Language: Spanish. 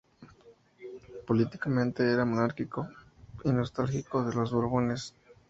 Políticamente era monárquico y nostálgico de los borbones.